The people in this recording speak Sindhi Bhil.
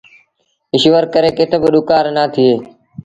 ايٚشور ڪري ڪٿ با ڏُڪآر نا ٿئي۔